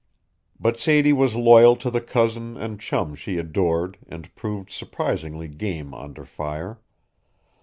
But Sadie was loyal to the cousin and chum she adored and proved surprisingly game under fire.